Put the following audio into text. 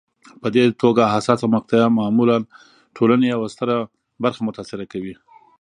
په دې توګه حساسه مقطعه معمولا ټولنې یوه ستره برخه متاثره کوي.